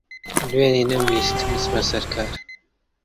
دوێنێ نەمویست بچمە سەر کار.